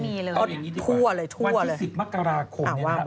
เอาอย่างนี้ดีกว่าวันที่๑๐มกราคมนี้ครับ